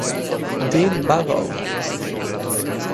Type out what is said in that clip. Dean Barrow